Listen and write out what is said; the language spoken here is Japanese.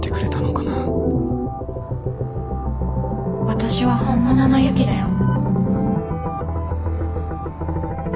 私は本物のユキだよ。